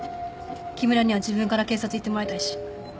木村には自分から警察行ってもらいたいし。